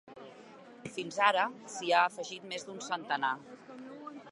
Fins ara, s’hi han afegit més d’un centenar.